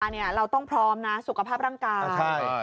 อันนี้เราต้องพร้อมนะสุขภาพร่างกาย